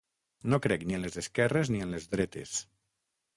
No crec ni en les esquerres ni en les dretes.